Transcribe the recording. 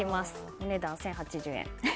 お値段は１０８０円です。